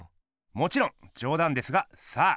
もちろんじょうだんですがさあ